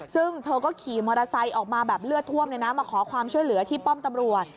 ซึ่งเธอก็ขี่มอเตอร์ไซค์ออกมาแบบเลือดท่วมเลยนะมาขอความช่วยเหลือที่ป้อมตำรวจ